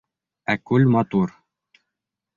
Ә күл матур...